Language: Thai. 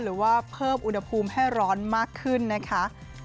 หรือว่าเพิ่มอุณหภูมิให้ร้อนมากขึ้นนะคะ